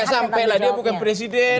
ya faldo gak sampai lah dia bukan presiden